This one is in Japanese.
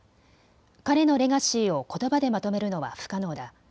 彼のレガシーをことばでまとめるのは不可能だ。